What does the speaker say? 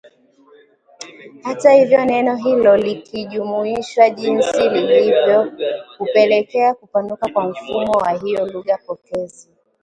Hata hivyo neno hilo likijumuishwa jinsi lilivyo hupelekea kupanuka kwa mfumo wa hiyo lugha pokezi